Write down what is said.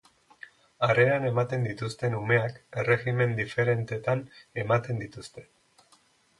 Harreran ematen dituzten umeak, errejimen diferentetan ematen dituzte.